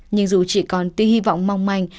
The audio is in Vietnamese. nhưng dù chỉ còn tí hy vọng mong manh